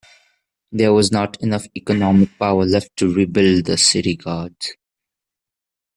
There was not enough economic power left to rebuild the city guards.